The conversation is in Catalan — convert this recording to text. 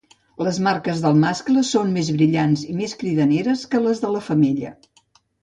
Les marques del mascle són més brillants i més cridaneres que les de la femella.